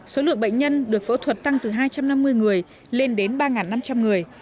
số lượng bệnh nhân được phẫu thuật tăng từ hai trăm năm mươi người lên đến ba năm trăm linh người